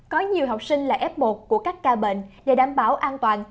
có nhiều học sinh là f một của các ca bệnh để đảm bảo an toàn